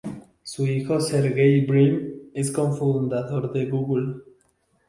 Su hijo Sergey Brin es cofundador de Google.